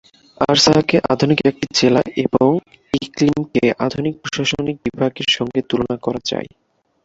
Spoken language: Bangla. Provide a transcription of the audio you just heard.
আরসাহকে আধুনিক একটি জেলা এবং ইকলিমকে আধুনিক প্রশাসনিক বিভাগের সঙ্গে তুলনা করা যায়।